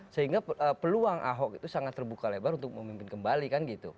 sehingga peluang ahok itu sangat terbuka lebar untuk memimpin kembali kan gitu